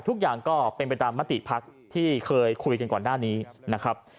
ทุกอย่างก็เป็นไปตามมติภักดิ์ที่เคยคุยกันก่อนหน้านี้นะครับ